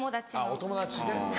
お友達ね。